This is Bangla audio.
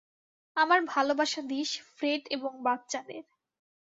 আমার ভালবাসা দিস ফ্রেড এবং বাচ্চাদের।